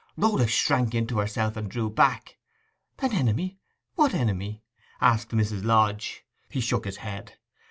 Rhoda shrank into herself, and drew back. 'An enemy? What enemy?' asked Mrs. Lodge. He shook his head.